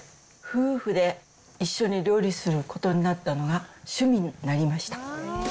夫婦で一緒に料理することになったのは、趣味になりました。